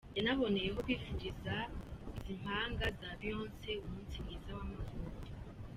Yanaboneyeho kwifuriza izi mpanga za Beyonce umunsi mwiza w’amavuko.